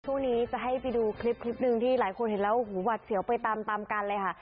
ช่วงนี้จะให้ไปดูคลิปหนึ่งที่หลายคนเห็นแล้วหูหวัดเสียวไปตามตามกันเลยค่ะ